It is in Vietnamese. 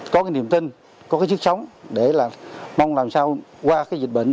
có cái niềm tin có cái chức sống để mong làm sao qua dịch bệnh